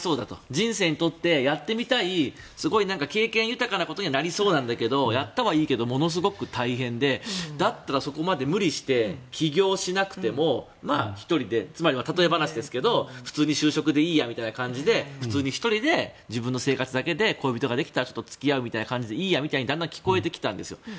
人生にとってやってみたい経験豊かなことになりそうだけどやったはいいけどものすごく大変でだったら、そこまで無視して起業しなくてもたとえ話ですけど普通に就職でいいやみたいな普通に１人で自分の生活だけで恋人ができたら付き合うみたいな感じでいいやみたいにだんだん聞こえてきたんですよ。